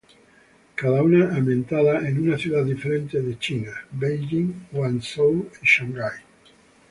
Cada una ambientada en una ciudad diferente de China: Beijing, Guangzhou y Shanghai.